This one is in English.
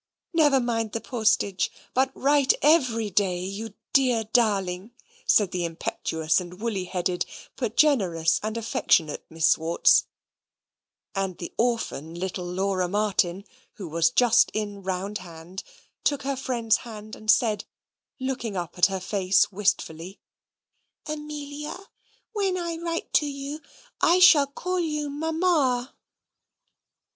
"Never mind the postage, but write every day, you dear darling," said the impetuous and woolly headed, but generous and affectionate Miss Swartz; and the orphan little Laura Martin (who was just in round hand), took her friend's hand and said, looking up in her face wistfully, "Amelia, when I write to you I shall call you Mamma."